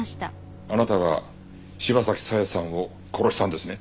あなたが柴崎佐江さんを殺したんですね？